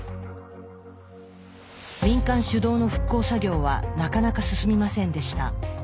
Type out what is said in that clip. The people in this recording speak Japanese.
民間主導の復興作業はなかなか進みませんでした。